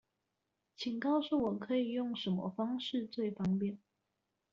請告訴我可以用什麼方式最方便